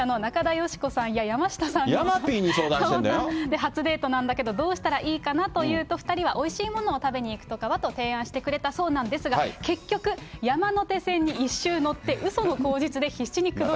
初デートなんだけどどうしたらいいかなと言ったら、２人はおいしいものを食べに行くとかは？と提案してくれたそうなんですが、結局、山手線に一周乗って、うその口実で必死に口説い